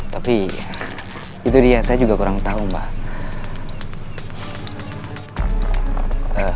tapi itu dia saya juga kurang tahu mbak